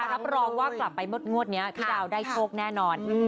รับรองว่ากลับไปงวดนี้พี่ดาวได้โชคแน่นอน